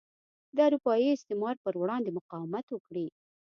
د اروپايي استعمار پر وړاندې مقاومت وکړي.